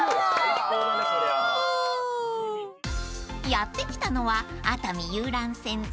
［やって来たのは］